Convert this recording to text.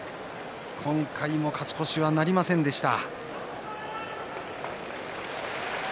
今回も勝ち越しはなりませんでした。